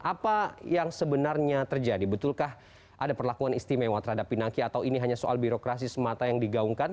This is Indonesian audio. apa yang sebenarnya terjadi betulkah ada perlakuan istimewa terhadap pinangki atau ini hanya soal birokrasi semata yang digaungkan